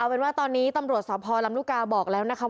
เอาเป็นว่าตอนนี้ตำรวจสอบพรำลูกาบอกแล้วนะคะ